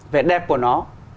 vẻ đẹp của nó